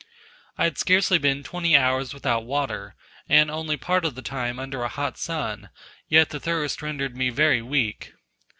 I had scarcely been twenty hours without water, and only part of the time under a hot sun, yet the thirst rendered me very weak.